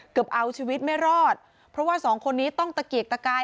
เอาชีวิตไม่รอดเพราะว่าสองคนนี้ต้องตะเกียกตะกาย